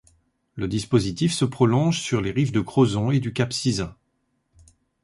Le dispositif se prolonge sur les rives de Crozon et du Cap Sizun.